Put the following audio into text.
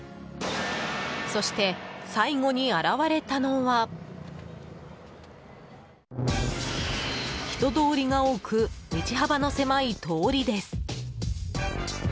そして、最後に現れたのは人通りが多く道幅の狭い通りです。